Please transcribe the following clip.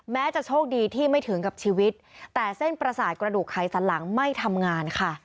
จะโชคดีที่ไม่ถึงกับชีวิตแต่เส้นประสาทกระดูกไขสันหลังไม่ทำงานค่ะ